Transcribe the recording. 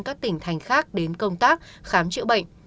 các tỉnh thành khác đến công tác khám chữa bệnh